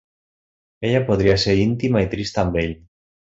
Ella podria ser íntima i trista amb ell.